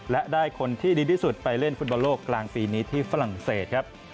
และได้คนที่ดีที่สุดไปเล่นฟุตบอลโลกกลางปีนี้ที่ฝรั่งเศสครับ